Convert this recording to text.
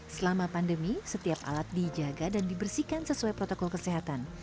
selama pandemi setiap alat dijaga dan dibersihkan sesuai protokol kesehatan